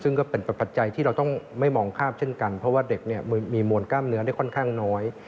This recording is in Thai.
ซึ่งก็เป็นปัจจัยที่เราต้องไม่มองภาพเช่นกันเพราะว่าเด็กเนี่ยมีมวลกล้ามเนื้อได้ค่อนข้างน้อย